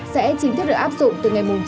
sẽ chính thức được áp dụng từ ngày